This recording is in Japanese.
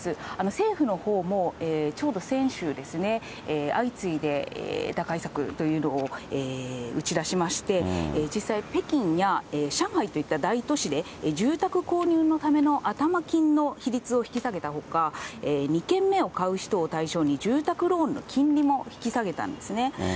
政府のほうも、ちょうど先週ですね、相次いで打開策というのを打ち出しまして、実際、北京や上海といった大都市で、住宅購入のための頭金の比率を引き下げたほか、２軒目を買う人を対象に住宅ローンの金利も引き下げたんですね。